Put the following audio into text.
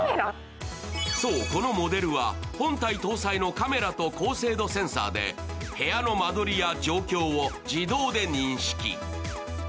このモデルは本体搭載のカメラは高精度センサーで部屋の間取りや状況を自動で認識。